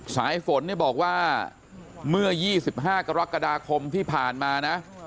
สายฝนเนี่ยบอกว่าเมื่อ๒๕กรกฎาคมที่ผ่านมานะ